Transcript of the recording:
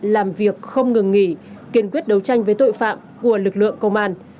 làm việc không ngừng nghỉ kiên quyết đấu tranh với tội phạm của lực lượng công an